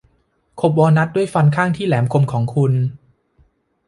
ขบวอลนัทด้วยฟันข้างที่แหลมคมของคุณ